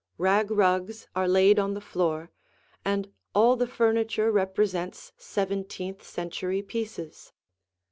Rag rugs are laid on the floor, and all the furniture represents seventeenth century pieces.